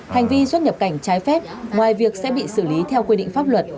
hành vi xuất nhập cảnh trái phép ngoài việc sẽ bị xử lý theo quy định pháp luật